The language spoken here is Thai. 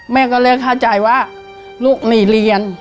แม่ก็เลยเข้าใจว่าลูกหนีเรียน